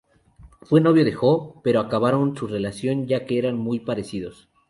Fue novio de Jo, pero acabaron su relación ya que eran muy parecidos.